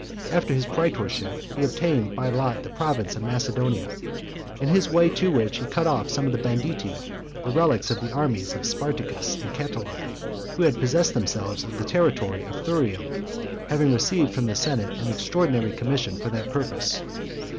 After his praetorship, he obtained by lot the province of Macedonia; in his way to which he cut off some banditti, the relics of the armies of Spartacus and Catiline, who had possessed themselves of the territory of Thurium; having received from the senate an extraordinary commission for that purpose.